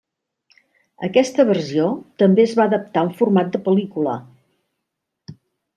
Aquesta versió també es va adaptar en format de pel·lícula.